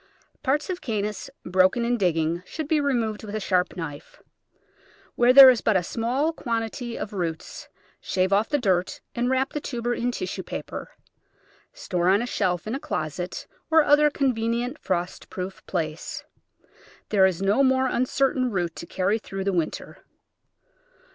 Parts of Cannas broken in digging should be removed with a sharp knife. Where there is but a small quantity of roots, shave off the dirt and wrap the tuber in tissue paper. Store on a shelf in a closet, or other convenient frost proof place. There is no more uncertain root to carry through the winter.